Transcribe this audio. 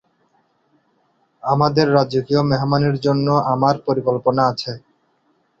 আমাদের রাজকীয় মেহমানের জন্য আমার পরিকল্পনা আছে।